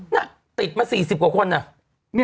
น่ะติดมา๔๐กว่าคนน่ะ